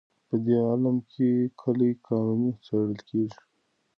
په دې علم کې کلي قوانین څېړل کېږي.